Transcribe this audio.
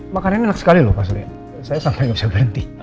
makanannya enak sekali loh pak surya saya sampai gak bisa berhenti